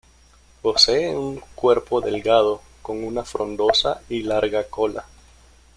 Posee un cuerpo delgado, con una frondosa y larga cola.